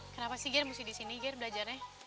kenapa sih gere mesti disini gere belajarnya